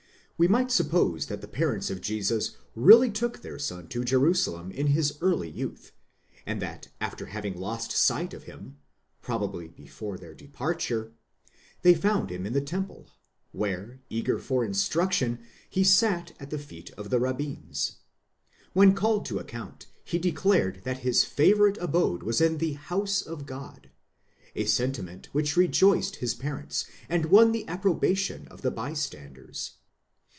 We might suppose that the parents of Jesus really took their son to Jerusalem in his early youth, and that after having lost sight of him (probably before their departure), they found him in the temple, where, eager for instruction, he sat at the feet of the rabbins. When called to account,. he declared that his favourite abode was in the house of God ;' a sentiment which rejoiced his parents, and won the approbation of the bystanders.